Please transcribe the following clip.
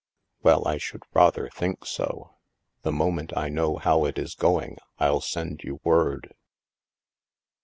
" Well, I should rather think so ! The moment I know how it is going, I'll send you word."